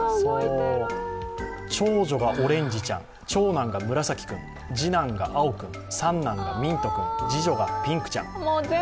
長女がオレンジちゃん、長男がむらさき君、次男が青君、三男がミント君次女がピンクちゃん。